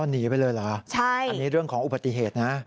หนีไปเลยเหรอใช่อันนี้เรื่องของอุบัติเหตุนะ